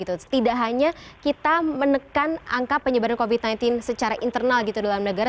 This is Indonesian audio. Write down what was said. tidak hanya kita menekan angka penyebaran covid sembilan belas secara internal gitu dalam negara